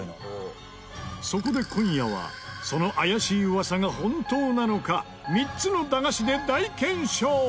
そこで今夜はその怪しい噂が本当なのか３つの駄菓子で大検証！